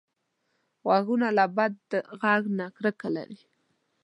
غوږونه له بد غږ نه کرکه لري